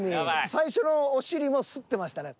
最初のお尻も擦ってましたね。